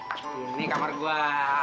itu nih kamar gua